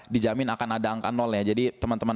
dijamin akan ada angka nol ya jadi teman teman